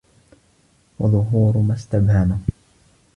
وَظُهُورُ مَا اسْتَبْهَمَ